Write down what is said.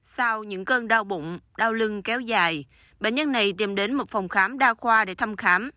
sau những cơn đau bụng đau lưng kéo dài bệnh nhân này tìm đến một phòng khám đa khoa để thăm khám